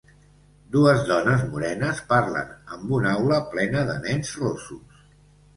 Dues dones morenes parlen amb una aula plena de nens rossos.